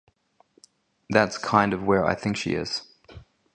That's kind of where I think she is.